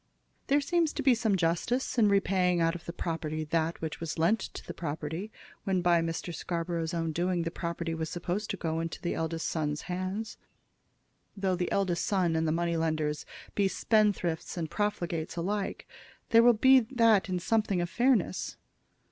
There seems to be some justice in repaying out of the property that which was lent to the property when by Mr. Scarborough's own doing the property was supposed to go into the eldest son's hands. Though the eldest son and the money lenders be spendthrifts and profligates alike, there will in that be something of fairness.